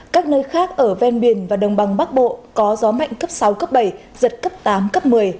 các nơi khác ở ven biển và đồng bằng bắc bộ có gió mạnh cấp sáu cấp bảy giật cấp tám cấp một mươi